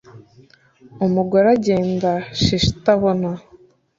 Umugore agenda shishitabona